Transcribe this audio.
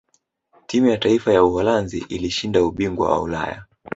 timu ya taifa ya uholanzi ilishinda ubingwa wa ulaya